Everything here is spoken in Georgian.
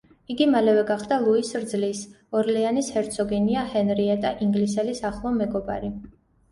იგი მალევე გახდა ლუის რძლის, ორლეანის ჰერცოგინია ჰენრიეტა ინგლისელის ახლო მეგობარი.